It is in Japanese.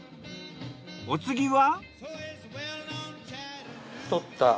お次は。